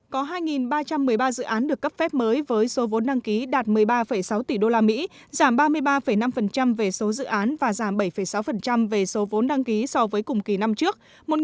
có hai ba trăm một mươi ba dự án được cấp phép mới với số vốn đăng ký đạt một mươi ba sáu tỷ usd giảm ba mươi ba năm về số dự án và giảm bảy sáu về số vốn đăng ký so với cùng kỳ năm trước